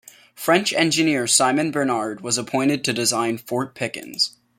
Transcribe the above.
French engineer Simon Bernard was appointed to design Fort Pickens.